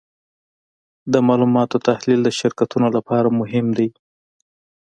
د معلوماتو تحلیل د شرکتونو لپاره مهم دی.